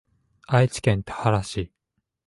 愛知県田原市